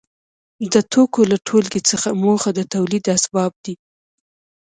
د توکو له ټولګې څخه موخه د تولید اسباب دي.